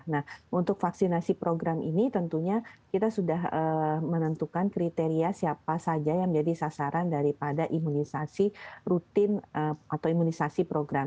nah untuk vaksinasi program ini tentunya kita sudah menentukan kriteria siapa saja yang menjadi sasaran daripada imunisasi rutin atau imunisasi program